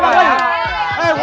mau kita tembak lagi